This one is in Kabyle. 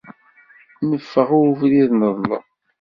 Neffeɣ i ubrid, neḍlem.